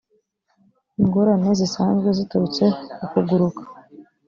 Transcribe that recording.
ingorane zisanzwe ziturutse ku kuguruka